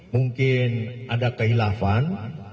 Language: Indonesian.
mungkin ada kehilafan